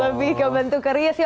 lebih kebentuk karya sih